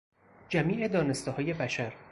جمیع دانستههای بشر